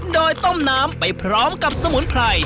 โดยต้มน้ำไปพร้อมกับสมุนไพร